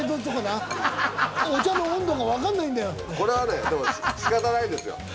これはねでも仕方ないですよ。